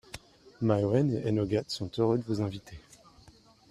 Maiwenn et Enogad sont heureux de vous inviter.